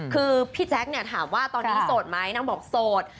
คือพี่แจ๊คเนี่ยถามว่าตอนนี้โสดไหมนางบอกโสด